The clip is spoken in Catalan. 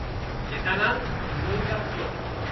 De tan alt no hi cap tot.